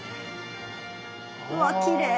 うわきれい。